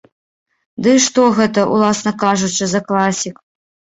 Ды і што гэта, уласна кажучы, за класік?